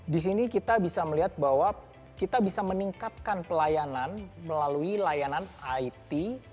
di sini kita bisa melihat bahwa kita bisa meningkatkan pelayanan melalui layanan it